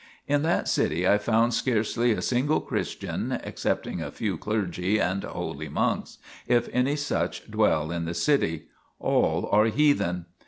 In that city I found scarcely a single Christian excepting a few clergy and holy monks if any such dwell in the city ; all are heathen.